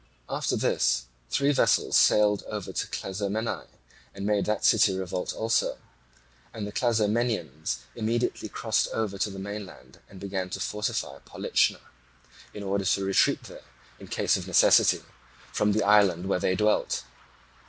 After this three vessels sailed over to Clazomenae, and made that city revolt also; and the Clazomenians immediately crossed over to the mainland and began to fortify Polichna, in order to retreat there, in case of necessity, from the island where they dwelt.